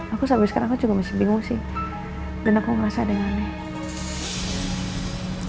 aku sampai sekarang masih bingung sih dan aku ngerasa ada yang aneh